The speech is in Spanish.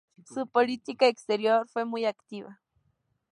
Su política exterior fue muy activa.